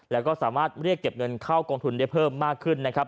แล้วก็สามารถเรียกเก็บเงินเข้ากองทุนได้เพิ่มมากขึ้นนะครับ